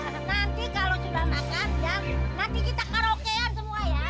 nanti kalau sudah makan ya nanti kita karaokean semua ya